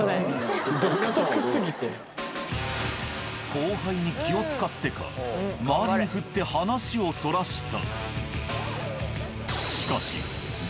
後輩に気を遣ってか周りに振って話をそらした。